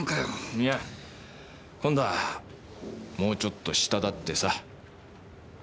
いや今度はもうちょっと下だってさ。